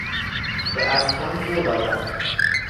به اسبان جو دادن